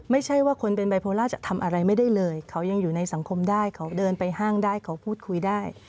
ไม่ใช่ว่าคนเป็นไบโพล่าจะทำอะไรไม่ได้เลยเขายังอยู่ในสังคมได้เขาเดินไปห้างได้เขาพูดคุยได้